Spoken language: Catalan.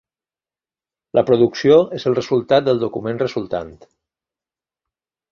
La producció és el resultat del document resultant.